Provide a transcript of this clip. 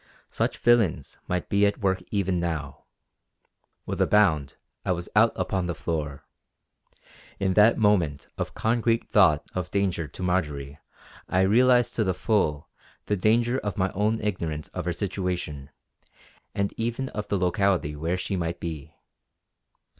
Such villains might be at work even now! With a bound I was out upon the floor. In that moment of concrete thought of danger to Marjory I realised to the full the danger of my own ignorance of her situation, and even of the locality where she might be.